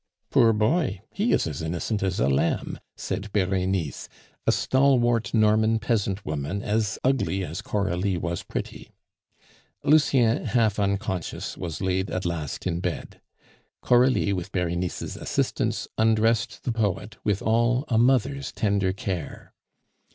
"Poor boy! He is as innocent as a lamb," said Berenice, a stalwart Norman peasant woman as ugly as Coralie was pretty. Lucien, half unconscious, was laid at last in bed. Coralie, with Berenice's assistance, undressed the poet with all a mother's tender care.